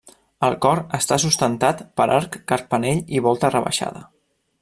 El cor està sustentat per arc carpanell i volta rebaixada.